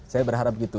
saya berharap gitu